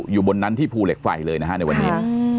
อยู่บนนั้นที่ภูเหล็กไฟเลยนะฮะในวันนี้